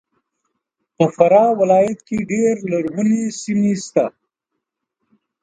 په فراه ولایت کې ډېر لرغونې سیمې سته